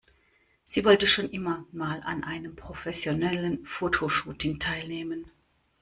Sie wollte schon immer mal an einem professionellen Fotoshooting teilnehmen.